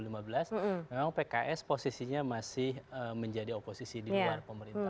memang pks posisinya masih menjadi oposisi di luar pemerintahan